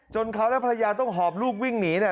เขาและภรรยาต้องหอบลูกวิ่งหนีเนี่ย